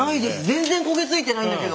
全然焦げついてないんだけど！